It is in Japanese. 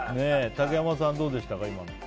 竹山さん、どうでしたか。